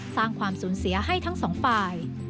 สร้างความสูญเสียให้ทั้งสองฝ่าย